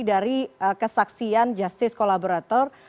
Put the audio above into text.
dari kesaksian justice kolaborator